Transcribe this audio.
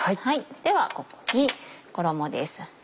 ではここに衣です。